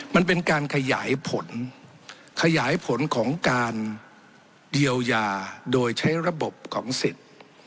มันเป็นการขยายผลขยายผลของการเยียวยาโดยใช้ระบบของสิทธิ์